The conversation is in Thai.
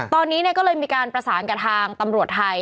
ตอนนี้ก็เลยมีการประสานกับทางตำรวจไทย